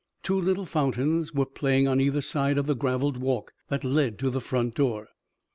Two little fountains were playing on either side of the graveled walk that led to the front door.